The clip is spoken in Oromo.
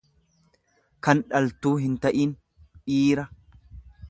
kan dhaltuu hinta'in, dhiira.